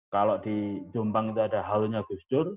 kalau di jombang itu ada halunya gus dur